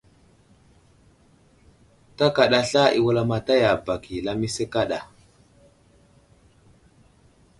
Ta kaɗa sla i wulamataya i bak i lamise kaɗa.